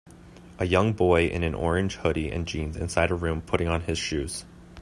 A young boy in an orange hoodie and jeans inside a room putting on his shoes.